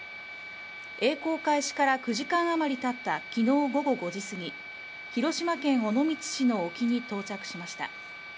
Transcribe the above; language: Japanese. えい航開始から９時間あまりたった昨日午後５時すぎ、広島県尾道市の沖に到着しました。